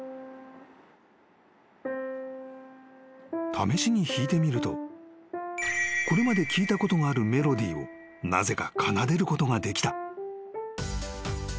［試しに弾いてみるとこれまで聴いたことがあるメロディーをなぜか奏でることができた］